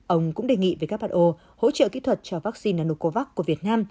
ông cũng đề nghị who hỗ trợ kỹ thuật cho vaccine nanocovax của việt nam